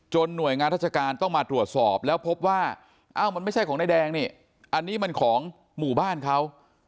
หน่วยงานราชการต้องมาตรวจสอบแล้วพบว่าเอ้ามันไม่ใช่ของนายแดงนี่อันนี้มันของหมู่บ้านเขา